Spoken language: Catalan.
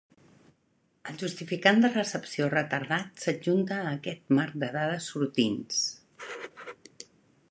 El justificant de recepció retardat s'adjunta a aquest marc de dades sortints.